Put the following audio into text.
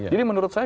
jadi menurut saya